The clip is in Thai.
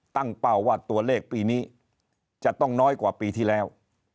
เป้าว่าตัวเลขปีนี้จะต้องน้อยกว่าปีที่แล้ว